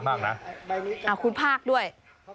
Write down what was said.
เป็นเรื่องสุดท้าย